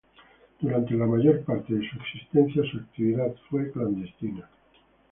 Durante la mayor parte de su existencia su actividad fue clandestina.